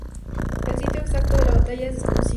El sitio exacto de la batalla es desconocido.